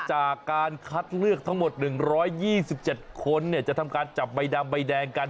จากการคัดเลือกทั้งหมด๑๒๗คนจะทำการจับใบดำใบแดงกัน